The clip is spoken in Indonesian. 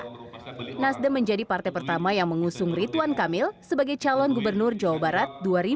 pada tahun dua ribu delapan belas nasdem menjadi partai pertama yang mengusung rituan kamil sebagai calon gubernur jawa barat